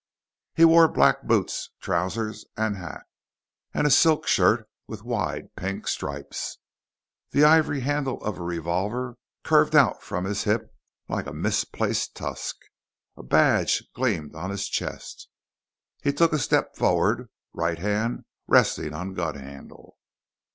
He wore black boots, trousers, and hat, and a silk shirt with wide pink stripes. The ivory handle of a revolver curved out from his hip like a misplaced tusk. A badge gleamed on his chest. He took a step forward, right hand resting on gun handle.